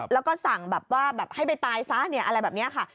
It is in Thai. แล้วก็สั่งแบบว่าแบบให้ไปตายซะอะไรแบบนี้ค่ะ